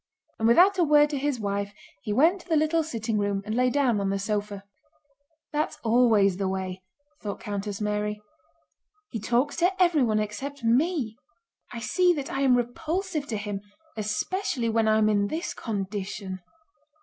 And without a word to his wife he went to the little sitting room and lay down on the sofa. "That's always the way," thought Countess Mary. "He talks to everyone except me. I see... I see that I am repulsive to him, especially when I am in this condition."